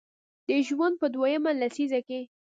د ژوند په دویمه لسیزه کې